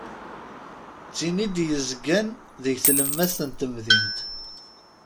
D tin i d-yezgan deg tlemmast n temdint.